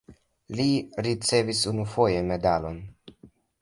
Li ricevis unufoje medalon.